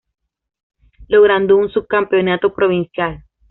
Logrando un subcampeonato provincial.